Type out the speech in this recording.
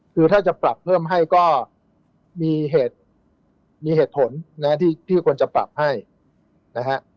คือถ้าจะปรับเพิ่มให้ก็มีเหตุมีเหตุธนที่ควรจะปรับให้นะครับ